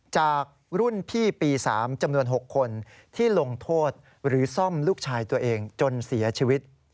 จากรุ่นพี่ปี๓จำนวน๖คนที่ลงโทษหรือซ่อมลูกชายตัวเองจนเสียชีวิต